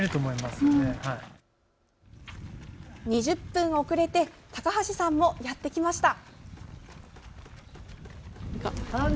２０分遅れて高橋さんもやってきました。